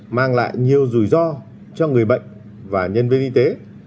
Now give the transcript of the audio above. mang lại nhiều rủi ro cho người bệnh và nhân viên y tế